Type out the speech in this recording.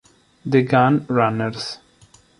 The Gun Runners